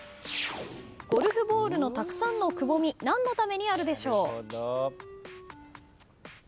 ゴルフボールのたくさんのくぼみ何のためにあるでしょう？